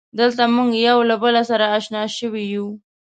دلته مونږ یو له بله سره اشنا شوي یو.